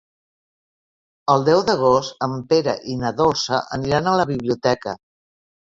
El deu d'agost en Pere i na Dolça aniran a la biblioteca.